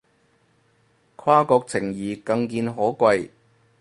跨國情誼更見可貴